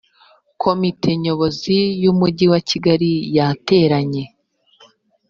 komite nyobozi y ‘umujyi wa kigali yateranye .